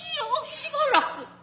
しばらく！